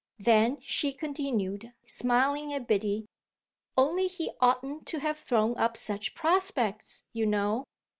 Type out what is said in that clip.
Then she continued, smiling at Biddy; "Only he oughtn't to have thrown up such prospects, you know.